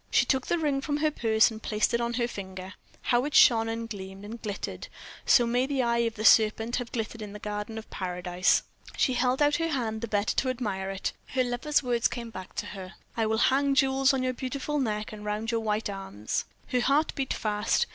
She took the ring from her purse and placed it on her finger. How it shone, and gleamed, and glittered! So may the eye of the serpent have glittered in the garden of Paradise. She held out her hand the better to admire it. Her lover's words came back to her: "I will hang jewels on your beautiful neck and round your white arms." Her heart beat fast.